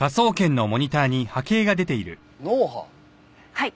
はい。